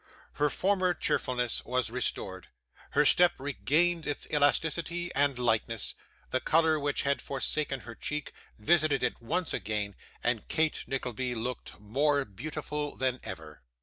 Her former cheerfulness was restored, her step regained its elasticity and lightness, the colour which had forsaken her cheek visited it once again, and Kate Nickleby looked more beautiful than ever.